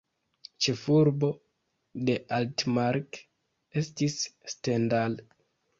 Ĉefurbo de Altmark estis Stendal.